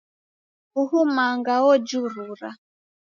Uhu manga ojurua